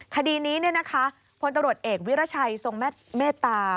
คดีนี้พลตำรวจเอกวิรัชัยทรงเมตตา